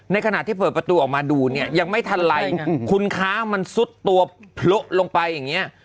ขณะที่เปิดประตูออกมาดูเนี่ยยังไม่ทันไรคุณค้ามันซุดตัวโพละลงไปอย่างนี้